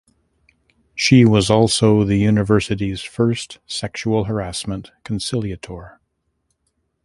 She was also the university’s first sexual harassment conciliator.